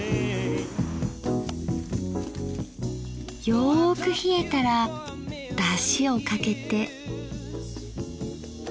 よく冷えたらだしをかけて。